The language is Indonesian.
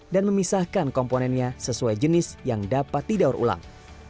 dan memisahkan komponennya sesuai jenis yang dapat didaur ulang